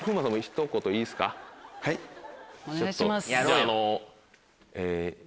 ちょっとじゃああの。